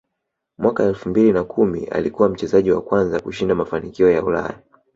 Mwaka elfu mbili na kumi alikuwa mchezaji wa kwanza kushinda mafanikio ya Ulaya